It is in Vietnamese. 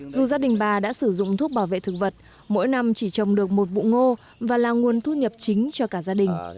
dù gia đình bà đã sử dụng thuốc bảo vệ thực vật mỗi năm chỉ trồng được một vụ ngô và là nguồn thu nhập chính cho cả gia đình